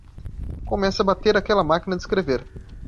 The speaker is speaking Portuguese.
Comece a bater aquela máquina de escrever.